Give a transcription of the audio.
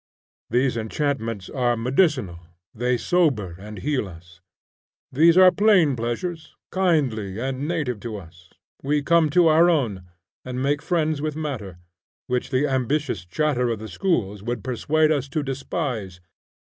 These enchantments are medicinal, they sober and heal us. These are plain pleasures, kindly and native to us. We come to our own, and make friends with matter, which the ambitious chatter of the schools would persuade us to despise.